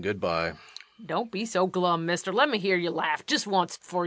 Don't be so glum, mister. Lemme hear you laff jist onct before yu go.